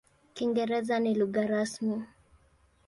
Kiingereza ni lugha rasmi.